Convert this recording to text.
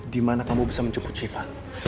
di mana kamu bisa menjemput siva